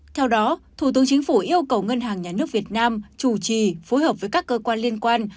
theo đó thủ tướng chính phủ yêu cầu ngân hàng nhà nước việt nam chủ trì phối hợp với các cơ quan liên quan